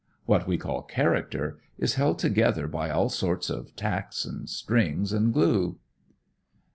What we call character, is held together by all sorts of tacks and strings and glue."